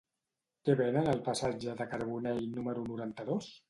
Què venen al passatge de Carbonell número noranta-dos?